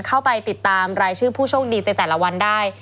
เข้าไปติดตามรายชื่อผู้โชคดีในแต่ละวันได้